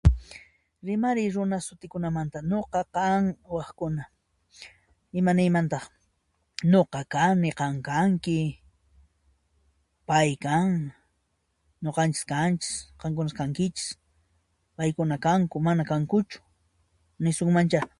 Rimariy runa sutikunamanta: Nuqa, kan waqkuna. Imaniymantaq, nuqa kani qan kanki, pay kan, nuqanchis kanchis qankuna kankichis paykuna kanku, mana kankuchu, nisunmanchá